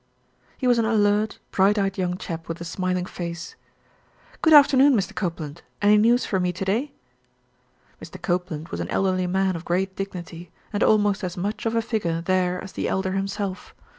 He was an alert, bright eyed young chap with a smiling face. "Good afternoon, Mr. Copeland. Any news for me to day?" Mr. Copeland was an elderly man of great dignity, and almost as much of a figure there as the Elder himself.